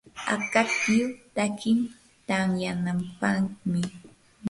akaklluy takin tamyanampaqmi.